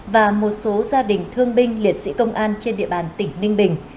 và một số gia đình thương binh liệt sĩ công an trên địa bàn tỉnh ninh bình